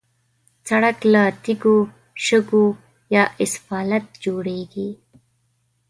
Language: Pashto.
سړک له تیږو، شګو یا اسفالت جوړېږي.